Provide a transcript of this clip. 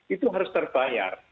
itu harus terbayar